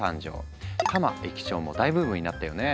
「たま駅長」も大ブームになったよね。